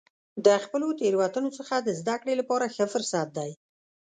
د خپلو تیروتنو څخه د زده کړې لپاره ښه فرصت دی.